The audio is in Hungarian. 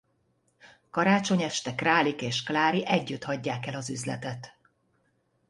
Karácsony este Králik és Klári együtt hagyják el az üzletet.